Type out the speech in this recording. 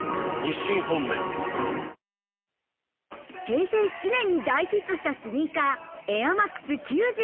平成７年に大ヒットしたスニーカー、エアマックス９５。